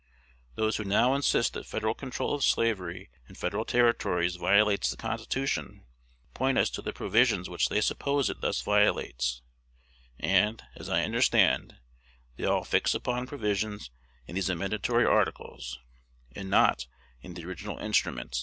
Those who now insist that Federal control of slavery in Federal Territories violates the Constitution point us to the provisions which they suppose it thus violates; and, as I understand, they all fix upon provisions in these amendatory articles, and not in the original instrument.